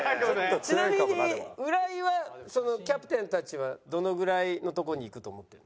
ちなみに浦井はキャプテンたちはどのぐらいのとこにいくと思ってんの？